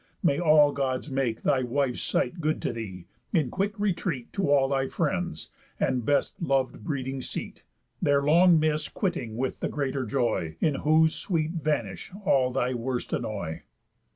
May all Gods make Thy wife's sight good to thee, in quick retreat To all thy friends, and best lov'd breeding seat, Their long miss quitting with the greater joy; In whose sweet vanish all thy worst annoy."